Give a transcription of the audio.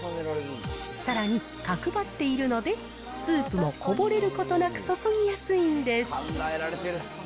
さらに角張っているので、スープもこぼれることなく注ぎやすいんです。